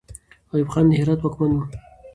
ایوب خان د هرات واکمن وو.